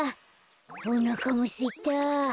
おなかもすいた。